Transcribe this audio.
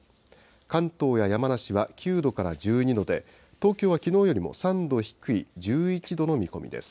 関東や山梨は９度から１２度で、東京はきのうよりも３度低い１１度の見込みです。